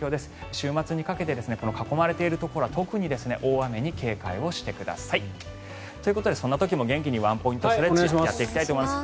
週末にかけて囲まれているところは特に大雨に警戒してください。ということでそんな時も元気にワンポイントストレッチをやっていきたいと思います。